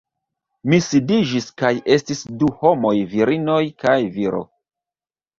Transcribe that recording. Mi sidiĝis kaj estis du homoj virinoj kaj viro